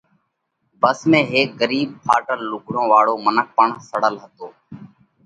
ڀس ۾ هيڪ ڳرِيٻ، ڦاٽل لُوگھڙون واۯو منک پڻ سڙل هتو۔